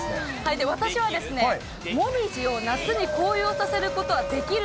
私はですね、もみじを夏に紅葉させることはできる？